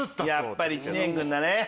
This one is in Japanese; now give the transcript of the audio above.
やっぱり知念君だね。